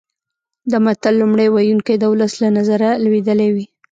د متل لومړی ویونکی د ولس له نظره لویدلی وي